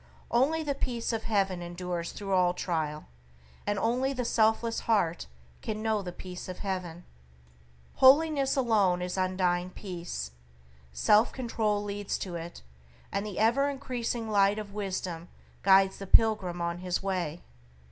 Only the Peace of Heaven endures through all trial, and only the selfless heart can know the Peace of Heaven. Holiness alone is undying peace. Self control leads to it, and the ever increasing Light of Wisdom guides the pilgrim on his way.